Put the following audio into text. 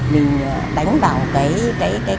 mình đánh vào cái